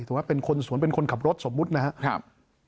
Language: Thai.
ว่าเป็นคนสวนเป็นคนขับรถสมมุตินะครับ